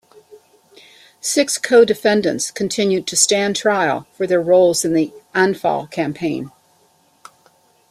Six co-defendants continued to stand trial for their roles in the Anfal campaign.